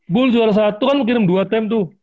buls jualan satu kan kirim dua tim tuh